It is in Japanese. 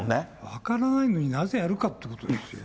分からないのに、なぜやるかってことですよ。